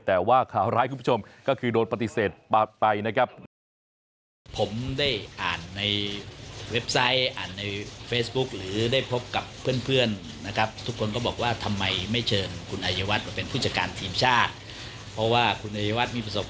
แต่ว่าข่าวร้ายคุณผู้ชมก็คือโดนปฏิเสธไปนะครับ